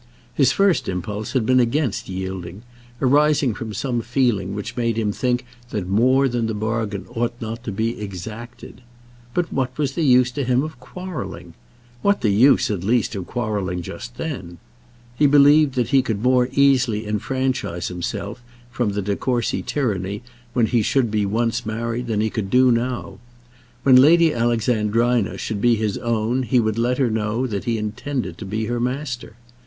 His first impulse had been against yielding, arising from some feeling which made him think that more than the bargain ought not to be exacted. But what was the use to him of quarrelling? What the use, at least, of quarrelling just then? He believed that he could more easily enfranchise himself from the De Courcy tyranny when he should be once married than he could do now. When Lady Alexandrina should be his own he would let her know that he intended to be her master.